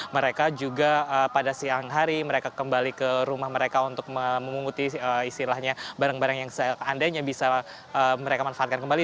mereka juga pada siang hari mereka kembali ke rumah mereka untuk memunguti istilahnya barang barang yang seandainya bisa mereka manfaatkan kembali